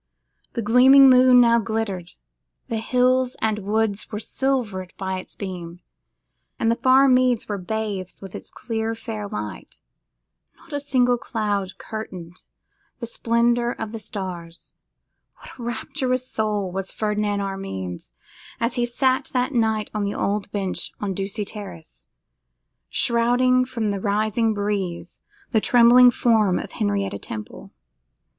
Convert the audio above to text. The gleaming moon now glittered, the hills and woods were silvered by its beam, and the far meads were bathed with its clear, fair light. Not a single cloud curtained the splendour of the stars. What a rapturous soul was Ferdinand Armine's as he sat that night on the old bench, on Ducie Terrace, shrouding from the rising breeze the trembling form of Henrietta Temple!